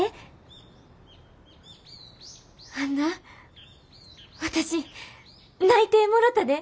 あんな私内定もろたで！